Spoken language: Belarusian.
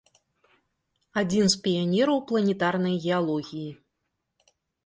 Адзін з піянераў планетарнай геалогіі.